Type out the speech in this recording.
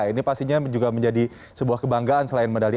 ini pastinya juga menjadi sebuah kebanggaan selain medali